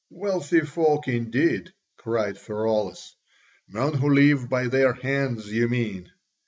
"Wealthy folk indeed!" cried Pheraulas, "men who live by their hands, you mean.